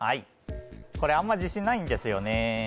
これあんま自信ないんですよね